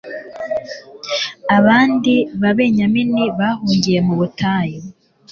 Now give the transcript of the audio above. abandi babenyamini bahungiye mu butayu